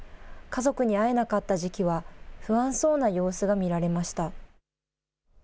家族に会えなかった時期は不安そうな様子が見られました。